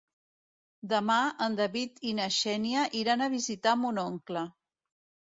Demà en David i na Xènia iran a visitar mon oncle.